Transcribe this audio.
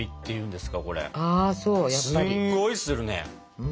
すんごいするね。